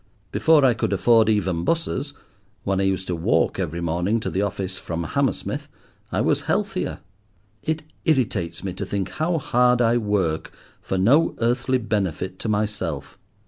Before I could afford even buses—when I used to walk every morning to the office from Hammersmith—I was healthier. It irritates me to think how hard I work for no earthly benefit to myself.